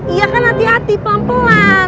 iya kan hati hati pelan pelan